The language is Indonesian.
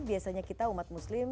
biasanya kita umat muslim